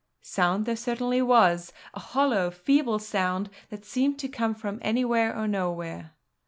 Sound there certainly was, a hollow, feeble sound that seemed to come from anywhere, or nowhere.